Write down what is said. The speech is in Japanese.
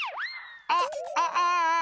あっあああ！